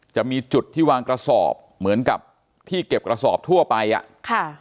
จะมีจุดที่วางกระสอบเหมือนกับที่เก็บกระสอบทั่วไปอ่ะค่ะ